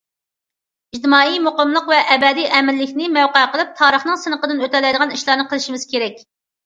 ئىجتىمائىي مۇقىملىق ۋە ئەبەدىي ئەمىنلىكنى مەۋقە قىلىپ، تارىخنىڭ سىنىقىدىن ئۆتەلەيدىغان ئىشلارنى قىلىشىمىز كېرەك.